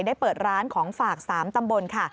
ได้เปิดร้านของฝาก๓ตำบลค่ะ